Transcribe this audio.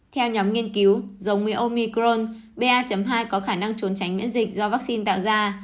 theo nhóm nghiên cứu dùng với omicron ba hai có khả năng trốn tránh miễn dịch do vaccine tạo ra